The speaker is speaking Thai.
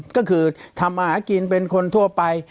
ก็คือทำมาหากินเป็นคนทั่วไป